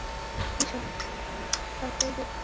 এই সরো, তাকে যেতে দাও।